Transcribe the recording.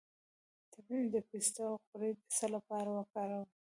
د پسته غوړي د څه لپاره وکاروم؟